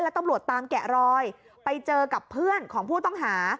ตำรวจตามแกะรอยไปเจอกับเพื่อนของผู้ต้องหา